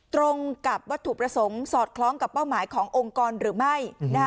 ตรงกับวัตถุประสงค์สอดคล้องกับเป้าหมายขององค์กรหรือไม่